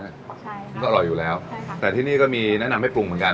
ใช่มันก็อร่อยอยู่แล้วแต่ที่นี่ก็มีแนะนำให้ปรุงเหมือนกัน